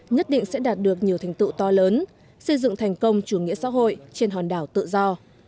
nhất định sẽ đạt được nhiều thành tựu to lớn xây dựng thành công chủ nghĩa xã hội trên hòn đảo tự do